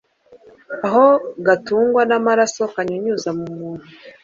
aho gatungwa n'amaraso kanyunyuza mu muntu